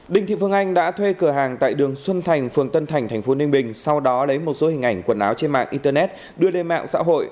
đình thị phương anh đã thuê cửa hàng tại đường xuân thành phường tân thành tp ninh bình sau đó lấy một số hình ảnh quần áo trên mạng internet đưa lên mạng xã hội